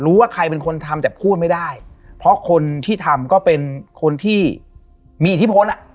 รู้ว่าใครเป็นคนทำแต่พูดไม่ได้เพราะคนที่ทำก็เป็นคนที่มีอิทธิพลอ่ะ